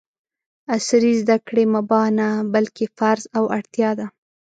عصري زده کړې مباح نه ، بلکې فرض او اړتیا ده!